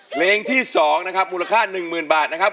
เพลงที่๒นะครับมูลค่า๑๐๐๐บาทนะครับ